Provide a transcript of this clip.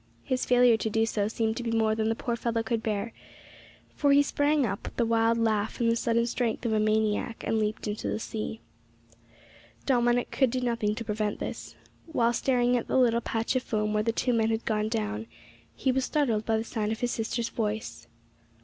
His failure to do so seemed to be more than the poor fellow could bear, for he sprang up with the wild laugh and the sudden strength of a maniac, and leaped into the sea. Dominick could do nothing to prevent this. While staring at the little patch of foam where the two men had gone down, he was startled by the sound of his sister's voice.